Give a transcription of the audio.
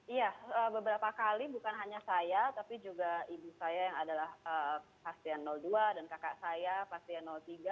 iya beberapa kali bukan hanya saya tapi juga ibu saya yang adalah pasien dua dan kakak saya pasien tiga